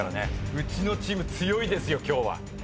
うちのチーム強いですよ今日は。